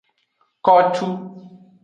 Kotu.